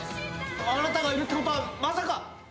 あなたがいるってことはまさか。